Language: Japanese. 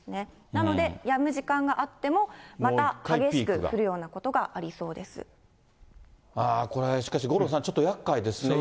なので、やむ時間があっても、また激しく降るようなことがありそこれ、しかし、五郎さん、ちょっとやっかいですね。